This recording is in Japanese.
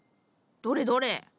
どれどれ？